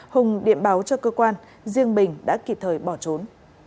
hùng điện báo cho cơ quan riêng bình đã kịp thời bỏ trốn